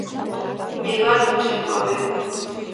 მე ვარ მოცეკვავე.